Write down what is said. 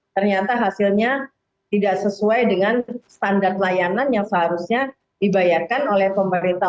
ternyata hasilnya tidak sesuai dengan standar layanan yang seharusnya dibayarkan oleh pemerintah